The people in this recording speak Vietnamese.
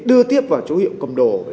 đưa tiếp vào chỗ hiệu cầm đồ